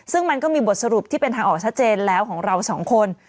ซึ่งมันก็มีบทสรุปที่เป็นทางออกชัดเจนแล้วของเราสองคน